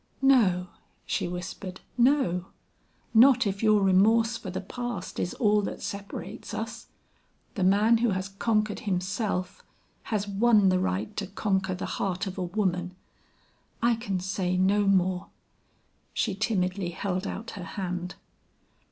"No," she whispered, "no; not if your remorse for the past is all that separates us. The man who has conquered himself, has won the right to conquer the heart of a woman. I can say no more " She timidly held out her hand.